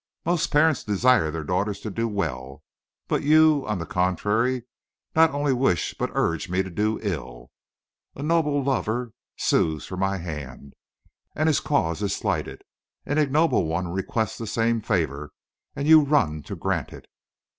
Most parents desire their daughters to do well, but you, on the contrary, not only wish, but urge me to do ill. A noble lover sues for my hand, and his cause is slighted; an ignoble one requests the same favor, and you run to grant it.